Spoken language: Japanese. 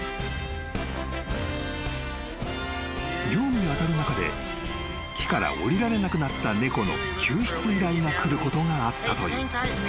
［業務に当たる中で木から下りられなくなった猫の救出依頼がくることがあったという］